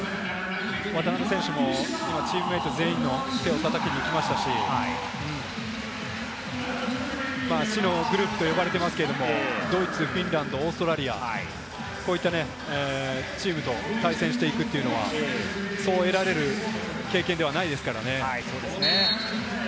渡邊選手も今、チームメート全員の手を叩きにいきましたし、死のグループと呼ばれていますが、ドイツ、フィンランド、オーストラリア、こういったチームと対戦していくというのは、そう得られる経験ではないですからね。